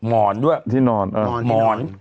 หมอนด้วยที่นอน